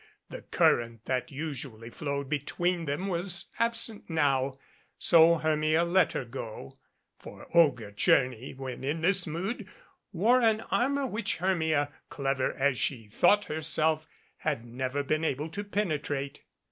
The current that usually flowed between them was absent now, so Hermia let her go ; for Olga Tcherny, when in this mood, wore an armor which Hermia, clever as she thought her self, had never been able to penetrate.